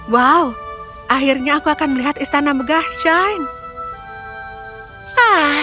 wow akhirnya aku akan melihat istana megah shin